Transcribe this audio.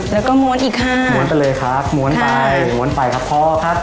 แล้วก็ม้วนอีกค่ะม้วนไปเลยครับม้วนไปม้วนไปครับพ่อครับ